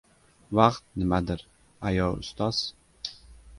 — Vaqt nimadir, ayo ustoz?